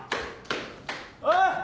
おい！